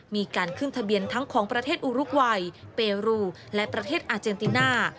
มีการขึ้นทะเบียนทั้งของประเทศอุรุกวัยเปรูและประเทศอาเจนติน่า